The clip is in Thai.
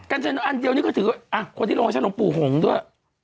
กันเต็มหน้าอันเดียวนี่ก็ถืออ่ะคนที่ลองให้ฉันลงปู่หงด้วย